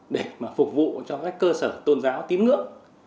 để mà phục vụ cho các cơ sở tôn giáo tín ngưỡng